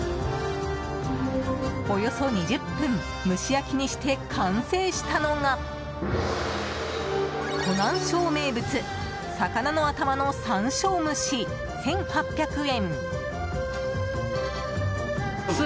およそ２０分蒸し焼きにして完成したのが湖南省名物、魚の頭の山椒蒸し１８００円。